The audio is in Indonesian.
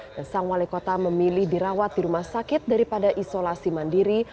dan sang walekota memilih dirawat di rumah sakit daripada isolasi mandiri